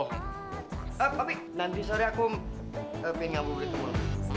eh opi nanti sore aku pengen ngambul ke temur